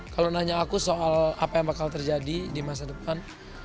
kalau nanya aku soal apa yang bakal terjadi di masa depan